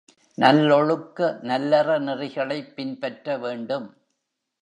நல்லொழுக்க நல்லற நெறிகளைப் பின்பற்ற வேண்டும்.